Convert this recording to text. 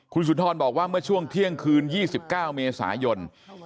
คุณสุนทรบอกว่าเมื่อช่วงเที่ยงคืน๒๙เมษายน